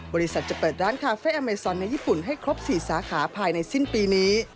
บริษัทจะเปิดร้านคาเฟ่อเมซอนในญี่ปุ่นให้ครบ๔สาขาภายในสิ้นปีนี้